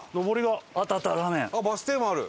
あっバス停もある。